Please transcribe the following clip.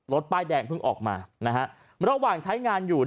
ป้ายแดงเพิ่งออกมานะฮะระหว่างใช้งานอยู่